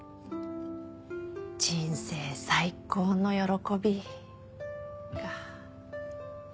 人生最高の喜びか。